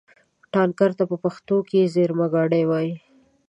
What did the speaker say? ټانکر ته په پښتو کې زېرمهګاډی وایي.